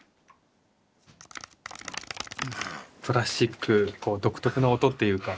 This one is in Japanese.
プラスチック独特の音っていうか